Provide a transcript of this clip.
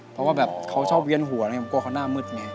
เพราะว่าเขาชอบเวียนหัวยังกลัวเขาน่ามืดไง